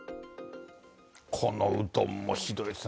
このうどんもひどいですね。